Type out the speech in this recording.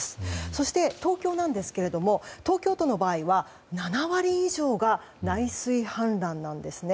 そして、東京なんですが東京都の場合は７割以上が内水氾濫なんですね。